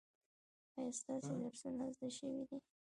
ایا ستاسو درسونه زده شوي دي؟